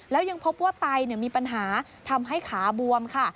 แล้วยังพบว่าไตมีปัญหาทำให้ขาบวมค่ะ